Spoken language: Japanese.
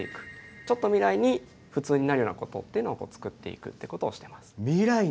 ちょっと未来に普通になるようなことっていうのをつくっていくってことをしてます。